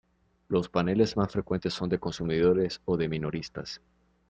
Los paneles más frecuentes son de consumidores o de minoristas.